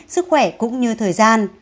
sức khỏe cũng như thời gian